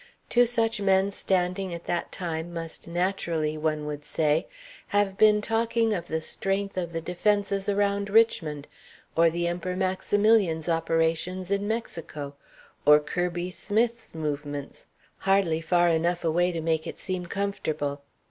Two such men standing at that time must naturally, one would say, have been talking of the strength of the defences around Richmond, or the Emperor Maximilian's operations in Mexico, or Kirby Smith's movements, hardly far enough away to make it seem comfortable.